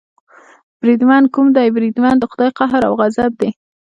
بریدمن، کوم دی بریدمن، د خدای قهر او غضب دې.